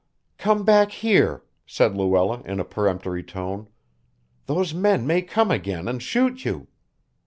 "Come back here," said Luella in a peremptory tone. "Those men may come again and shoot you."